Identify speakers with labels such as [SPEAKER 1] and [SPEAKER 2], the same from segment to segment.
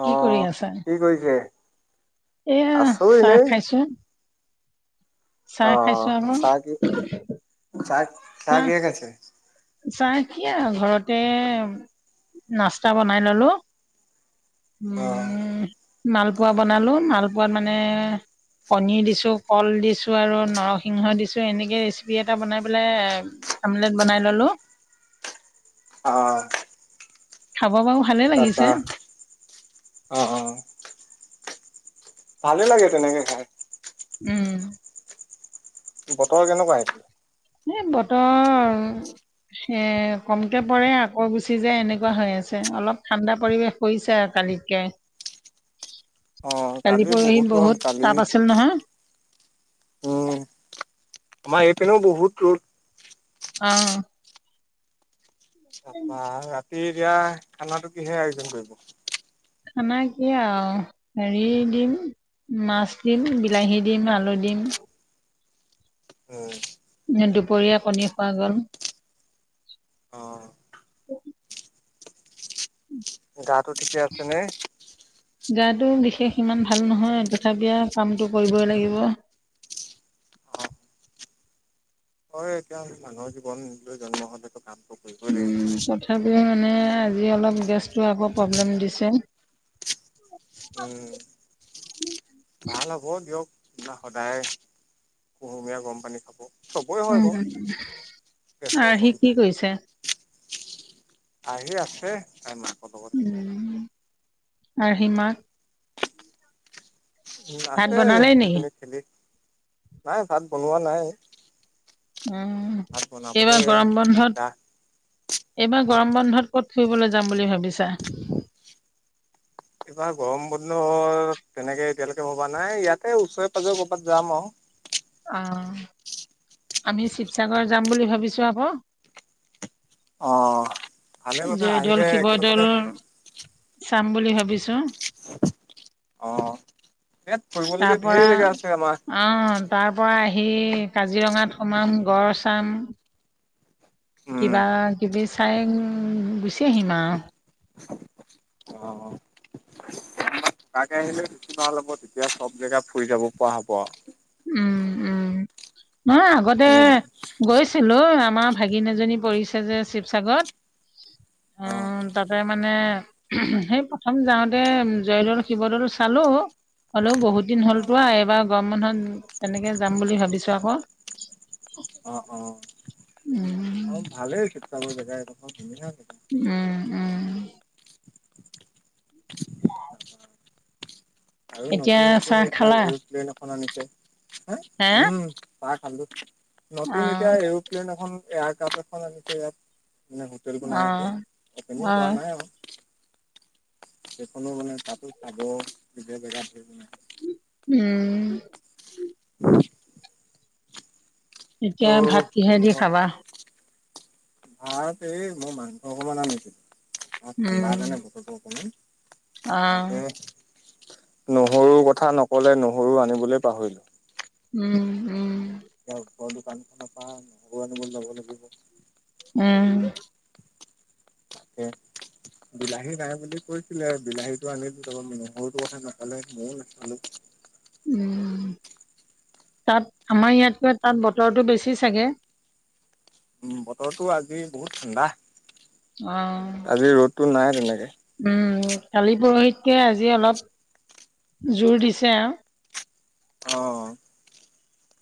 [SPEAKER 1] অ
[SPEAKER 2] কি কৰি আছা
[SPEAKER 1] কি কৰিছে
[SPEAKER 2] এইয়া
[SPEAKER 1] আছো
[SPEAKER 2] চাহ
[SPEAKER 1] এনেই
[SPEAKER 2] খাইছোঁ
[SPEAKER 1] অ
[SPEAKER 2] আকৌ
[SPEAKER 1] চাহ কি চাহ চাহ কিহে খাইছে
[SPEAKER 2] চাহ কি আৰু ঘৰতে নাস্তা বনাই ললোঁ
[SPEAKER 1] অ
[SPEAKER 2] উম মালপোৱা বনালো মালপোৱাত মানে কণী দিছোঁ কল দিছোঁ আৰু নৰসিংহ দিছোঁ এনেকে ৰেচিপি এটা বনাই পেলাই আমলেট বনাই ললোঁ
[SPEAKER 1] অ
[SPEAKER 2] খাব বাৰু ভালে লাগিছে,
[SPEAKER 1] তাপা অ অ ভালে লাগে তেনেকে খাই
[SPEAKER 2] উম।
[SPEAKER 1] বতৰ কেনেকুৱা এতিয়া?
[SPEAKER 2] এ বতৰ এ কমকে পৰে আকৌ গুচি যায় এনেকুৱা হৈ আছে। অলপ ঠাণ্ডা পৰিৱেশ কৰিছে আৰু কালিতকে।
[SPEAKER 1] অ
[SPEAKER 2] কালি পৰহি
[SPEAKER 1] গৰম
[SPEAKER 2] বহুত
[SPEAKER 1] কালি
[SPEAKER 2] তাপ আছিল নহয়।
[SPEAKER 1] উম আমাৰ এইপিনেও বহুত ৰ'দ।
[SPEAKER 2] অ'।
[SPEAKER 1] তাৰপা ৰাতি এতিয়া খানাটো কিহে আয়োজন কৰিব?
[SPEAKER 2] খানা কি আৰু হেৰি দিম। মাছ দিম বিলাহী দিম আলু দিম।
[SPEAKER 1] উম।
[SPEAKER 2] দুপৰীয়া কণী খোৱা গ'ল।
[SPEAKER 1] অ'। গাটো ঠিকে আছে নে?
[SPEAKER 2] গাতো বিশেষ ইমান ভাল নহয় তথাপিও কামটো কৰিবই লাগিব।
[SPEAKER 1] অ হয়, এতিয়া মানুহৰ জীৱন লৈ জন্ম হ'লেটো কামটো কৰিবই লাগিব
[SPEAKER 2] উম, তথাপিও মানে আজি অলপ গেছটোয়ে আকৌ প্ৰব্লেম দিছে।
[SPEAKER 1] উম। ভাল হ'ব দিয়ক সদায় কুহুমীয়া গৰম পানী খাব। চবৰে হয়
[SPEAKER 2] উম
[SPEAKER 1] বাৰু গেছৰ
[SPEAKER 2] আৰ্হি কি
[SPEAKER 1] অসুবিধা।
[SPEAKER 2] কৰিছে
[SPEAKER 1] আহি আছে তাই মাক।
[SPEAKER 2] উম, [unintelligible]
[SPEAKER 1] উম,
[SPEAKER 2] ভাত
[SPEAKER 1] আছে
[SPEAKER 2] বনালেই নেকি
[SPEAKER 1] দুজনীয়ে খেলি নাই ভাত বনোৱা নাই।
[SPEAKER 2] উম,
[SPEAKER 1] ভাত বনাবলে
[SPEAKER 2] এইবাৰ গৰম বন্ধত
[SPEAKER 1] যা
[SPEAKER 2] এইবাৰ গৰম বন্ধত ক'ত ফুৰিবলৈ যাম বুলি ভাবিছা?
[SPEAKER 1] এইবাৰ গৰম বন্ধ তেনেকে এতিয়ালৈকে ভবা নাই ইয়াতে ওচৰে পাজৰে ক'ৰবাত যাম আৰু।
[SPEAKER 2] অ', আমি শিৱসাগৰ যাম বুলি ভাবিছো আকৌ।
[SPEAKER 1] অ'। ভালে কথা
[SPEAKER 2] জয়দৌল
[SPEAKER 1] আহিলে একেলগতে
[SPEAKER 2] শিৱদৌল চাম বুলি ভাবিছো।
[SPEAKER 1] অ', ইয়াত ফুৰিবলগীয়া
[SPEAKER 2] পৰা
[SPEAKER 1] ঢেৰ জেগা আছে আমাৰ।
[SPEAKER 2] অ', তাৰপৰা আহি কাজিৰঙাত সোমাম গড় চাম।
[SPEAKER 1] উম
[SPEAKER 2] কিবা কিবি চাই গুচি আহিম আৰু।
[SPEAKER 1] অ'। তাকে আহিলে বেছি ভাল হ'ব তেতিয়া চব জেগা ফুৰি যাব পৰা হ'ব আৰু।
[SPEAKER 2] উম, উম, নহয় আগতে
[SPEAKER 1] উম
[SPEAKER 2] গৈছিলো আমাৰ ভাগিন এজনী পৰিছে যে শিৱসাগৰত।
[SPEAKER 1] অ
[SPEAKER 2] উম, তাতে মানে সেই প্ৰথম যাওঁতে জয়দৌল শিৱদৌল চালো। হ'লেও বহুত দিন যোৱা এইবাৰ গৰম বন্ধত এনেকে যাম বুলি ভাবিছো আকৌ
[SPEAKER 1] অ অ অ
[SPEAKER 2] উম।
[SPEAKER 1] অ', ভালেই শিৱসাগৰ জেগা এই দখৰ ধুনীয়া জেগা।
[SPEAKER 2] উম, উম। এতিয়া চাহ খালা?
[SPEAKER 1] প্লেন এখন আনিছে, হা উম চাহ খালো, নতুন এতিয়া
[SPEAKER 2] অ',
[SPEAKER 1] এৰোপ প্লেন এখন এয়াৰ কাপ এখন আনিছে ইয়াত। মানে হোটেল বো নাই এতে,
[SPEAKER 2] অ',
[SPEAKER 1] এনেই কোৱা
[SPEAKER 2] অ',
[SPEAKER 1] নাই আৰু। সেইখনো মানে তাতো চাব বিশেষ জেগাত
[SPEAKER 2] উম।
[SPEAKER 1] [unintelligible] অ
[SPEAKER 2] এতিয়া ভাত কিহেদি খাবা?
[SPEAKER 1] ভাত এই, মই মাংস অকমান আনিছিলোঁ। অহ,
[SPEAKER 2] উম,
[SPEAKER 1] ঠাণ্ডা কাৰণে বতৰটো অকণমান
[SPEAKER 2] অ',
[SPEAKER 1] তাকে নহৰু কথা নক'লে, নহৰু আনিবলৈ পাহৰিলোঁ।
[SPEAKER 2] উম', উম'।
[SPEAKER 1] দোকান খনৰ পৰা নহৰু আনি ল'ব লাগিব।
[SPEAKER 2] উম।
[SPEAKER 1] তাকে বিলাহী নাই বুলি কৈছিলে, বিলাহীতো আনিলো তাৰমান, নহৰুটো কথা নাপালে মইয়োও নাাপালোঁ।
[SPEAKER 2] উম, তাত, আমাৰ ইয়াতকৈ তাত বতৰটো বেছি চাগে।
[SPEAKER 1] উম বতৰটো আজি বহুত ঠাণ্ডা।
[SPEAKER 2] অহ।
[SPEAKER 1] আজি ৰ'দটো নাই তেনেকে।
[SPEAKER 2] উম, কালি পৰহিতকে আজি অলপ জোৰ দিছে আৰু।
[SPEAKER 1] অহ।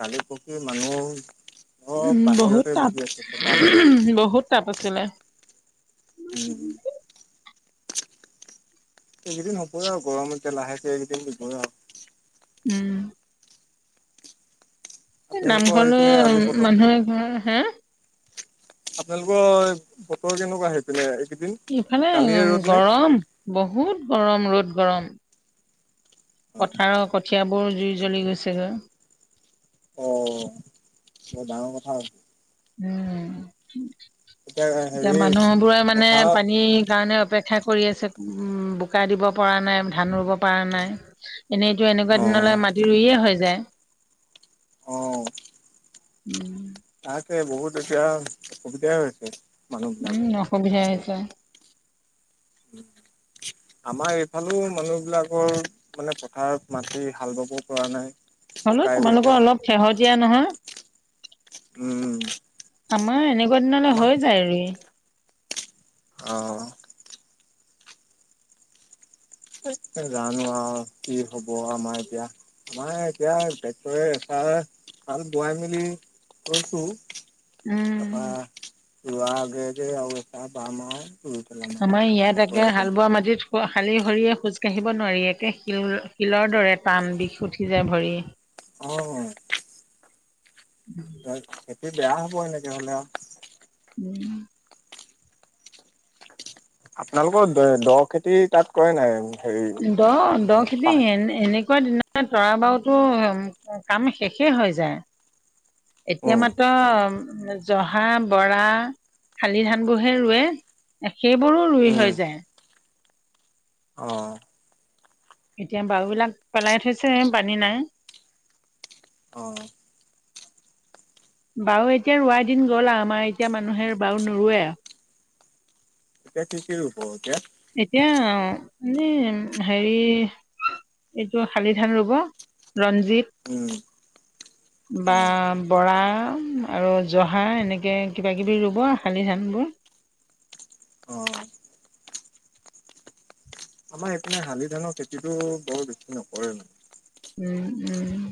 [SPEAKER 1] কীলি পৰহি মানুহ চব
[SPEAKER 2] উম' বহুত
[SPEAKER 1] বাহিৰতে
[SPEAKER 2] তাপ,
[SPEAKER 1] বহি আছে চোতাল বিলাক
[SPEAKER 2] বহুত তাপ আছিলে।
[SPEAKER 1] উম। এইকেইদিন হ'বই আৰু গৰমত এতে লাহেকে এইকেইদিন দিবই আৰু।
[SPEAKER 2] উম। এ
[SPEAKER 1] আপোনালোকৰ
[SPEAKER 2] নামঘৰলে
[SPEAKER 1] সেইপিনে আজি বতৰ
[SPEAKER 2] মানুহে ঘৰ হে!
[SPEAKER 1] আপোনালোকৰ, বতৰ কেনেকুৱা সেইপিনে এইকেইদিন?
[SPEAKER 2] ইফালে,
[SPEAKER 1] কালিয়ে ৰ'দ নে?
[SPEAKER 2] গৰম বহুত গৰম ৰ'দ গৰম। পথাৰৰ কঠিয়াবোৰ জুই জ্বলি গৈছেগৈ।
[SPEAKER 1] অহ। বৰ ডাঙৰ কথা হৈছে।
[SPEAKER 2] উম, এতিয়া মানুহবোৰে মানে
[SPEAKER 1] পথাৰ
[SPEAKER 2] পানীৰ কাৰণে অপেক্ষা কৰি আছে, বোকা দিব পৰা নাই, ধান ৰুব পাৰা নাই। এনেইতো এনেকুৱা
[SPEAKER 1] অ
[SPEAKER 2] দিনলৈ মাটি ৰুইয়ে হৈ যায়।
[SPEAKER 1] অহ।
[SPEAKER 2] উম।
[SPEAKER 1] আছে বহুত এতিয়া, অসুবিধাই হৈছে। মানুহবিলাক
[SPEAKER 2] উম, অসুবিধাই হৈছে।
[SPEAKER 1] আমাৰ এইফালে মানুহবিলাকৰ মানে পথাৰত মাটি হাল বাব পৰা নাই।
[SPEAKER 2] হ'লেও,
[SPEAKER 1] শুকাই গৈছে
[SPEAKER 2] তোমালোকৰ অলপ সেহতীয়া নহয়।
[SPEAKER 1] উম।
[SPEAKER 2] আমাৰ এনেকুৱা দিনলৈ
[SPEAKER 1] আমাৰ
[SPEAKER 2] হৈ যায় ৰুই।
[SPEAKER 1] অহ। জানো আৰু কি হ'ব আমাৰ এতিয়া। আমাৰ এতিয়া টেক্টৰে এটা হাল বোৱাই মেলি কৈছো। তাৰপা
[SPEAKER 2] উম
[SPEAKER 1] ৰুৱা আগে আগে আৰু এটা পাম আৰুতো।
[SPEAKER 2] আমাৰ ইয়াত একে হাল বোৱা মাটিত ৱ শালী ভৰিয়ে খোজ কাঢ়িব নোৱাৰি, একে শিল শিলৰ দৰে টান বিষ উঠি যায় ভৰি।
[SPEAKER 1] অঁ
[SPEAKER 2] [inaudible]
[SPEAKER 1] নহয় খেতি বেয়া হব এনেকে হলে আও
[SPEAKER 2] উম'।
[SPEAKER 1] আপোনালোকৰ, দে দ' খেতি তাত কৰে নাই? হেৰি
[SPEAKER 2] দ' দ
[SPEAKER 1] উম পা
[SPEAKER 2] 'খেতি এন এনেক কোৱা দিনা তৰা বাৰুতো কাম শেষেই হৈ যায়। এতিয়া
[SPEAKER 1] উম
[SPEAKER 2] মাত্ৰ, জহা, বৰা শালি, ধান বোৰহে ৰুৱে, এ সেইবোৰো ৰুই হৈ যায়।
[SPEAKER 1] অঁ।
[SPEAKER 2] এতিয়া বাউ বিলাক পেলাই থৈছে পানী নাই।
[SPEAKER 1] অ
[SPEAKER 2] [inaudible] বাও, এতিয়া ৰোৱা দিন গ'ল আও আমাৰ এতিয়া মানুহে বাও নৰুৱে
[SPEAKER 1] এতিয়া কি কি ৰুৱ কিয়া
[SPEAKER 2] এতিয়া অ' মানে হেৰি- এইটো শালিধান ৰুব,
[SPEAKER 1] উম
[SPEAKER 2] ৰঞ্জিত
[SPEAKER 1] অ
[SPEAKER 2] বা, বৰা আৰু জহা এনেকে কিবা কিবি ৰুব শালি ধান ৰুব।
[SPEAKER 1] অ' মানে শালি ধানৰ খেতিটো বৰ বেছি নকৰে মান
[SPEAKER 2] উম' উম'।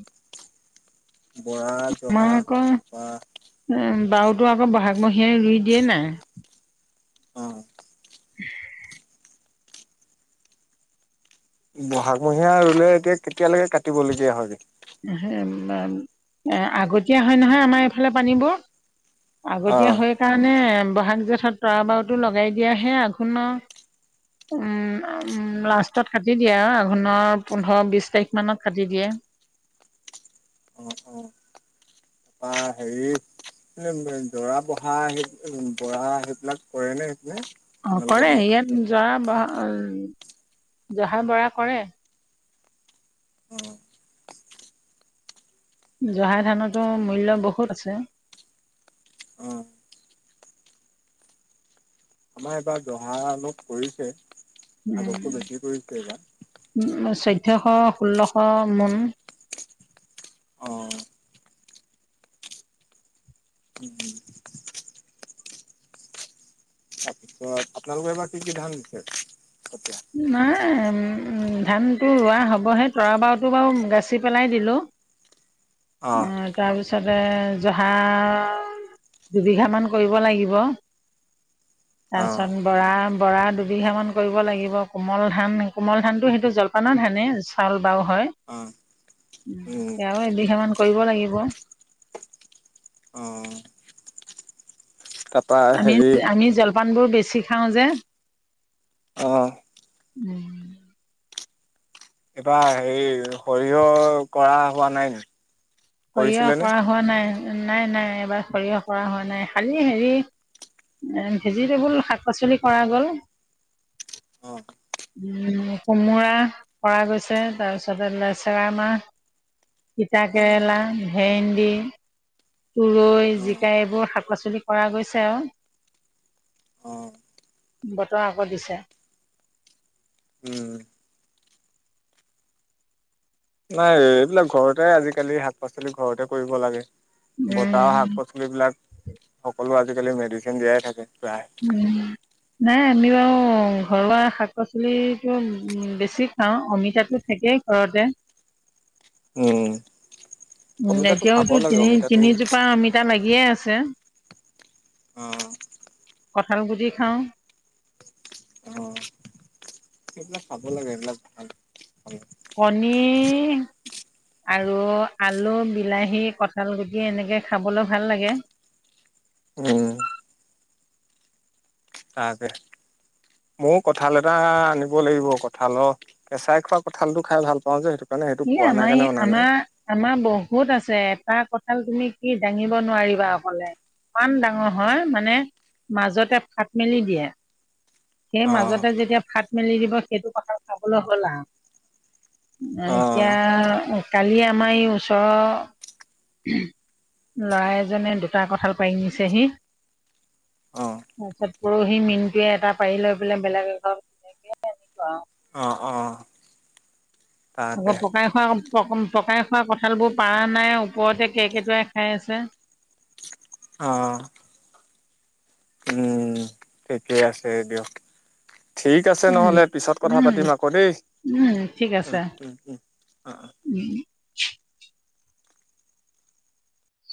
[SPEAKER 1] বৰা, জহা বা
[SPEAKER 2] উম বাওটো আকৌ বহাগ মহীয়াই ৰুই দিয়ে নাই।
[SPEAKER 1] অঁ
[SPEAKER 2] [unintelligible]
[SPEAKER 1] ব'হাগ মহীয়া ৰুলে এতিয়া কেতিয়ালেকে কাটিব লগীয়া হয়গে?
[SPEAKER 2] এহে ৱা আগতীয়া হয় নহয় আমাৰ এইফালে পানীবোৰ
[SPEAKER 1] অ
[SPEAKER 2] আগতীয়া হয় কাৰণে বহাগ জেঠত তৰা বাওটো লগাই দিয়াহে আঘোণৰ উম--ম। লাষ্টত কাটি দিয়ে আও আঘোণৰ পোন্ধৰ, বিশ তাৰিখ মানত কাটি দিয়ে।
[SPEAKER 1] অঁ অঁ বা হেৰি এই ৱে [unintelligible] বৰা, পঢ়া সেই উ বৰা সেই বিলাক কৰে নে সেইফালে?
[SPEAKER 2] অঁ কৰে ইয়াত জৰা বহা উম জহা বৰা কৰে।
[SPEAKER 1] অ
[SPEAKER 2] জহা ধানতো মূল্য বহুত আছে।
[SPEAKER 1] অ আমাৰ এবাৰ জহা অলপ কৰিছে।
[SPEAKER 2] উম
[SPEAKER 1] আগতকৈ বেছি কৰিছে এইবাৰ
[SPEAKER 2] উম' চৈধ্যশ ষোল্লশ মন
[SPEAKER 1] অঁ। [unintelligible] তাৰপিছত আপোনালোকে এবাৰ কি কি ধান দিছে? কঠিয়া
[SPEAKER 2] নাই এম উম ধানটো ৰোৱা হ'বহে তৰা বাওটো বাও গাঁচি পেলাই দিলোঁ।
[SPEAKER 1] অ',
[SPEAKER 2] অঁ। তাৰপিছতে জহা দুবিঘামান কৰিব লাগিব। তাৰ
[SPEAKER 1] অ'।
[SPEAKER 2] পিছত বৰা বৰা দুবিঘা মান কৰিব লাগিব। কোমল ধান কোমল ধানটো সেইটো জলপানৰ ধানেই চাউল বাও হয়।
[SPEAKER 1] অ',
[SPEAKER 2] উ
[SPEAKER 1] উম।
[SPEAKER 2] এয়াও এবিঘা মান কৰিব লাগিব।
[SPEAKER 1] অ [inaudible]
[SPEAKER 2] আমি
[SPEAKER 1] হেৰি
[SPEAKER 2] আমি জলপানবোৰ বেছি খাওঁ যে
[SPEAKER 1] অ',
[SPEAKER 2] উম।
[SPEAKER 1] এইবাৰ হেৰি, সৰিয়হ কৰা হোৱা নাই
[SPEAKER 2] সৰিয়হ
[SPEAKER 1] কৰিছিলে নে?
[SPEAKER 2] কৰা হোৱা নাই নাই এবাৰ সৰিয়হ কৰা হোৱা নাই খালি হেৰি ভেজিটেবুল শাক-পাচলি কৰা গ'ল,
[SPEAKER 1] অ।
[SPEAKER 2] উম কোমোৰা কৰা গৈছে তাৰপিছতে লেচেৰা মাহ তিতাকেৰেলা, ভেন্দি, তুৰৈ, জিকা এইবোৰ শাক পাচলি কৰা গৈছে আৰু। বতৰ আকৌ দিছে।
[SPEAKER 1] উম। নাই এইবিলাক ঘৰতে আজিকালি শাক পাচলি ঘৰতে কৰিব লাগে। বতাহ শাক
[SPEAKER 2] উম
[SPEAKER 1] পাচলি বিলাক সকলো আজিকালি মেডিচিন দিয়াই থাকে প্ৰায়।
[SPEAKER 2] উম। নাই আমি ঘৰুৱা শাক পাচলিটো বেছি খাওঁ, অমিতাটো থাকেই ঘৰতে
[SPEAKER 1] উম
[SPEAKER 2] উ
[SPEAKER 1] অমিতাটো খাব
[SPEAKER 2] এতিয়াওতো
[SPEAKER 1] লাগে
[SPEAKER 2] তিনি
[SPEAKER 1] অমিতাটো
[SPEAKER 2] তিনিজোপা অমিতা লাগিয়ে আছে।
[SPEAKER 1] অ।
[SPEAKER 2] কঁঠালগুটি খাওঁ,
[SPEAKER 1] অ। এইবিলাক খাব লাগে এইবিলাক ভাল ভাল।
[SPEAKER 2] কণী আৰু আলু, বিলাহী, কঁঠালগুটি এনেকৈ খাবলৈ ভাল লাগে।
[SPEAKER 1] উম, তাকে মইও কঠাল এটা আনিব লাগিব কঠালৰ কেঁচাই খোৱা কঁঠালটো খাই ভাল পা যে সেইটো কাৰণে সেইটো
[SPEAKER 2] ই
[SPEAKER 1] পোৱা নাই কাৰণে
[SPEAKER 2] আমাৰ
[SPEAKER 1] অনা নাই
[SPEAKER 2] আমাৰ আমাৰ বহুত আছে এটা কঁঠাল তুমি কি দাঙিব নোৱাৰিবা অকলে। ইমান ডাঙৰ হয় মানে মাজতে ফাট মেলি দিয়ে। সেই
[SPEAKER 1] অ
[SPEAKER 2] মাজতে যেতিয়া ফাত মেলি দিব সেইটো কঁঠাল খাবলৈ হ'ল আৰু।
[SPEAKER 1] অ
[SPEAKER 2] এতিয়া কালি আমাৰ এই ওচৰৰ ল'ৰা এজনে দুটা কঁঠাল পাৰি নিছেহি
[SPEAKER 1] অ
[SPEAKER 2] তাৰপিছত পৰহি মিনটয়ে এটা পাৰি লৈ পেলাই বেলেগ [unintelligible]
[SPEAKER 1] অ অ।
[SPEAKER 2] আকৌ
[SPEAKER 1] তাকে
[SPEAKER 2] পকাই খোৱা, প-পকাই খোৱা কঁঠালবোৰ পৰা নাই ওপৰতে কেকেইটোৱাই খাই আছে।
[SPEAKER 1] অ। উম ঠিকে আছে দিয়ক। ঠিক আছে
[SPEAKER 2] উম
[SPEAKER 1] নহ'লে পিছত কথা
[SPEAKER 2] উম
[SPEAKER 1] পাতিম আকৌ দেই।
[SPEAKER 2] উম ঠিক
[SPEAKER 1] উম
[SPEAKER 2] আছে
[SPEAKER 1] উম উম অ অ
[SPEAKER 2] [inaudible]